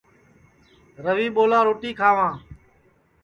روی ٻولا روٹی کھاواں